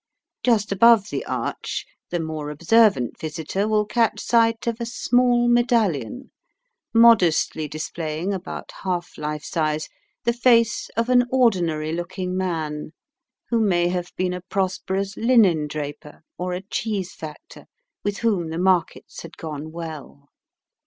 Just above the arch the more observant visitor will catch sight of a small medallion, modestly displaying, about half life size, the face of an ordinary looking man, who may have been a prosperous linendraper or a cheesefactor with whom the markets had gone well.